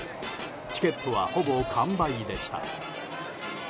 チケットは、ほぼ完売でした。